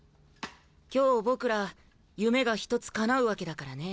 今日僕ら夢が一つかなうわけだからね。